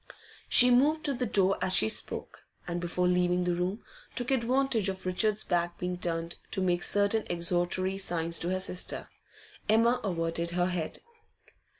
She moved to the door as she spoke, and, before leaving the room, took advantage of Richard's back being turned to make certain exhortatory signs to her sister. Emma averted her head.